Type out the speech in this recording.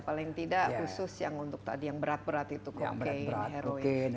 paling tidak khusus yang untuk tadi yang berat berat itu kokero ya